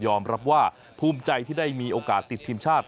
รับว่าภูมิใจที่ได้มีโอกาสติดทีมชาติ